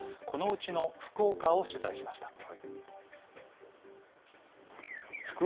このうちの福岡を取材しました。